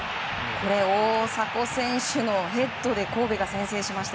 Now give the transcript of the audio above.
大迫選手のヘッドで神戸が先制しました。